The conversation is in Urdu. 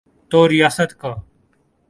تو ریاست کا۔